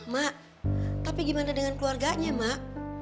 mak tapi gimana dengan keluarganya mak